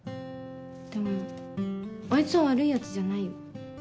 でもあいつは悪いヤツじゃないよ。